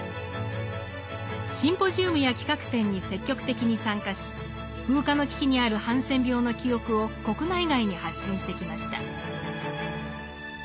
シンポジウムや企画展に積極的に参加し風化の危機にあるハンセン病の記憶を国内外に発信してきました。